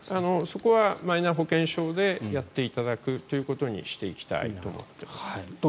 そこはマイナ保険証でやっていただくということにしたいと思っています。